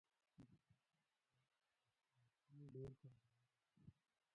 د شیدو قیماق سهار وختي ډیر خوندور وي.